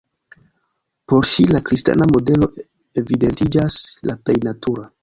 Por ŝi la kristana modelo evidentiĝas la plej natura.